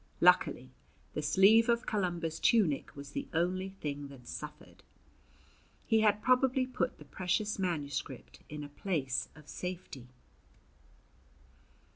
Luckily the sleeve of Columba's tunic was the only thing that suffered. He had probably put the precious manuscript in a place of safety.